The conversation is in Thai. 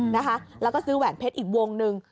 นะคะแล้วก็ซื้อแหวนเพชรอีกวงหนึ่ง